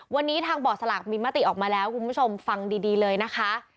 วันนี้ทางบ่อสลากมีมติออกมาแล้วคุณผู้ชมฟังดีเลยนะคะ